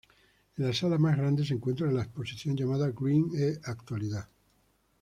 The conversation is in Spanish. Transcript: En la sala más grande se encuentra la exposición llamada "Grin e Actualidad"